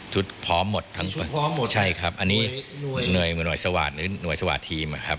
ชุดพร้อมหมดใช่ครับอันนี้หน่วยหน่วยสวัสดิ์หน่วยสวัสดิ์ทีมครับ